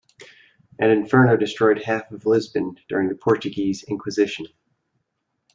An inferno destroyed half of Lisbon during the Portuguese inquisition.